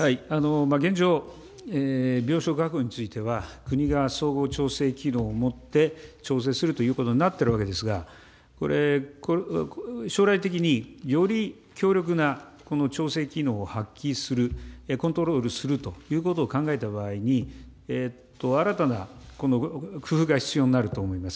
現状、病床確保については、国が総合調整機能を持って調整するということになっているわけですが、これ、将来的に、より強力な、この調整機能を発揮する、コントロールするということを考えた場合に、新たな工夫が必要になると思います。